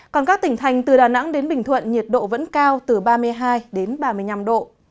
còn các tỉnh thành từ đà nẵng đến bình thuận nhiệt độ vẫn cao từ ba mươi hai đến ba mươi năm độ